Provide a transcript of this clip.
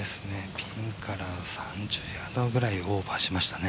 ピンから３０ヤードくらいオーバーしましたね。